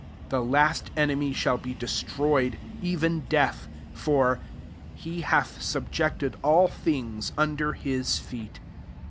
26 The last enemy shall be destroyed, even death: 27 for "he hath sub jected all things under his feet."